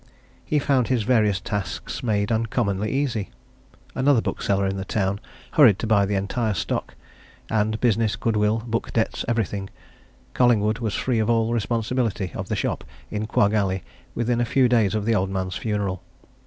He found his various tasks made uncommonly easy. Another bookseller in the town hurried to buy the entire stock and business, goodwill, book debts, everything Collingwood was free of all responsibility of the shop in Quagg Alley within a few days of the old man's funeral.